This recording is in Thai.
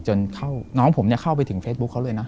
จนเข้าน้องผมเนี่ยเข้าไปถึงเฟซบุ๊กเขาเลยนะ